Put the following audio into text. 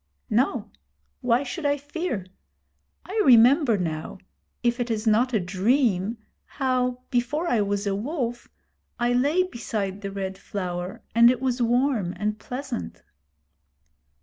'No. Why should I fear? I remember now if it is not a dream how, before I was a Wolf, I lay beside the Red Flower, and it was warm and pleasant.'